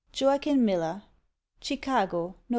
JOAQUIN MILLER. CHICAGO, NOV.